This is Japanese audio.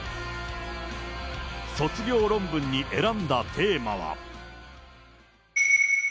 卒業論文に選んだテーマは。